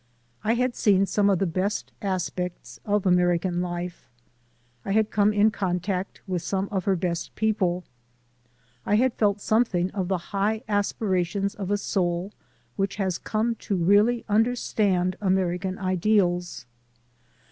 I had seen some of the best aspects of American life; I had come in contact with some of her best people ; I had felt something of the high aspirations of a soul which has come to really un derstand American ideals.